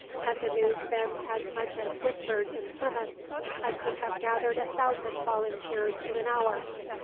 Had the news been as much as whispered, in Plymouth, I could have gathered a thousand volunteers in an hour.